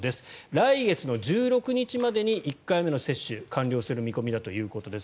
来月の１６日までに１回目の接種完了する見込みだということです。